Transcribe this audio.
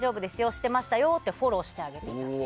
知ってましたよってフォローしてあげてた。